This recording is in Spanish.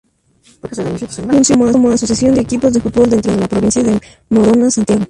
Funciona como asociación de equipos de fútbol dentro de la Provincia de Morona Santiago.